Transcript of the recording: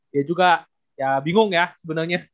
dia juga ya bingung ya sebenernya